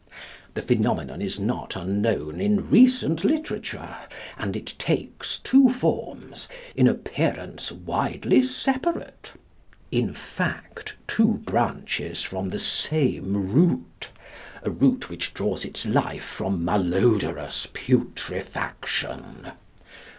The phenomenon is not unknown in recent literature; and it takes two forms, in appearance widely separate in fact, two branches from the same root, a root which draws its life from malodorous putrefaction.